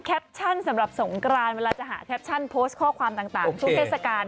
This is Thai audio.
ชั่นสำหรับสงกรานเวลาจะหาแคปชั่นโพสต์ข้อความต่างช่วงเทศกาล